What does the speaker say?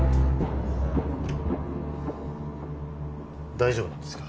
大丈夫なんですか？